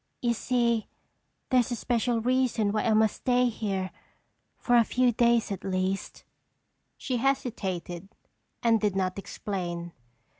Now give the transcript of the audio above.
You see, there's a special reason why I must stay here—for a few days at least." She hesitated and did not explain.